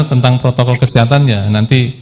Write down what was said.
tentang protokol kesehatan ya nanti